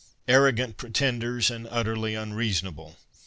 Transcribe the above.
Arrogant pretenders, and utterly unreasonable